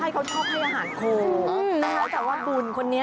ให้เขาชอบให้อาหารโคแต่ว่าบุญคนนี้